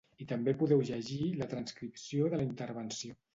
I també podeu llegir la transcripció de la intervenció.